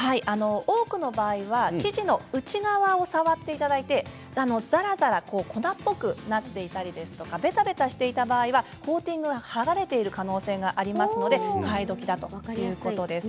多くの場合は生地の内側を触っていただいてざらざら、粉っぽくなっていたりべたべたしていた場合はコーティングが剥がれている可能性がありますので替え時だということです。